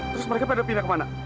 terus mereka pada pindah kemana